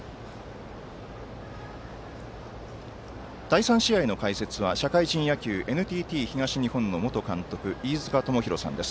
第３試合の解説は社会人野球、ＮＴＴ東日本の元監督、飯塚智広さんです。